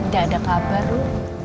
gak ada kabar lu